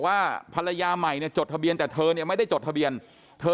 ว่าภรรยาใหม่เนี่ยจดทะเบียนแต่เธอเนี่ยไม่ได้จดทะเบียนเธอ